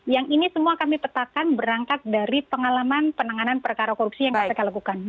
yang ini semua kami petakan berangkat dari pengalaman penanganan perkara korupsi yang kpk lakukan